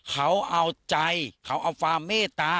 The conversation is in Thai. เขาเอาใจเขาเอาความเมตตา